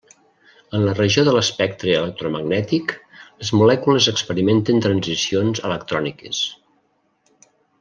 En la regió de l'espectre electromagnètic, les molècules experimenten transicions electròniques.